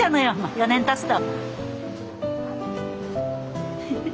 ４年たつと。